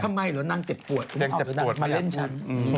ทำไมเหรอนั่งเจ็บปวดมาเล่นฉัน